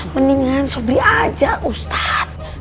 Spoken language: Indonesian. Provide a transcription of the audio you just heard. mendingan sombri aja ustadz